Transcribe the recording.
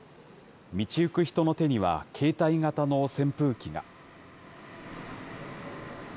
道行く人の手には、携帯型の扇風機が。